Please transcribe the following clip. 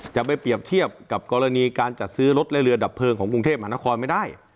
จะไปเปรียบเทียบกับกรณีการจัดซื้อรถและเรือดับเพลิงของกรุงเทพมหานครไม่ได้